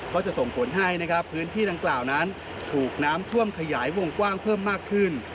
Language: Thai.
ก็จะส่งผลให้นะครับพื้นที่ดังกล่าวนั้นถูกน้ำท่วมขยายวงกว้างเพิ่มมากขึ้น